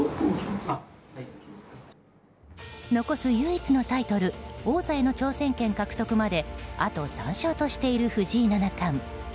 残す唯一のタイトル王座への挑戦権獲得まであと３勝としている藤井七冠。